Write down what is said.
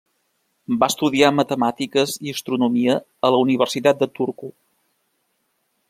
Va estudiar matemàtiques i astronomia a la Universitat de Turku.